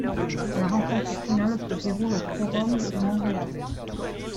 La rencontre finale se déroule au Forum de Montréal.